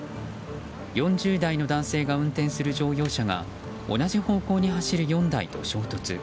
４０代の男性が運転する乗用車が同じ方向に走る４台と衝突。